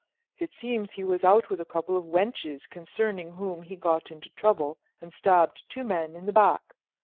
It seems he was out with a couple of wenches concerning whom he got into trouble and stabbed two men in the back.